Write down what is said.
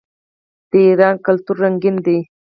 د ایران کلتور رنګین دی.